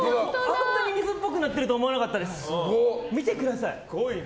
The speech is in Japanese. あんなに水っぽくなってると思わなかったです。